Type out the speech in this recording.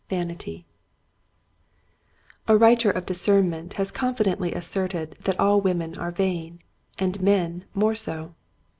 Vanity, A WRITER of discernment has confi dently asserted that all women are vain — and men more so.